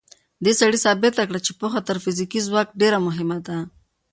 دې سړي ثابته کړه چې پوهه تر فزیکي ځواک ډېره مهمه ده.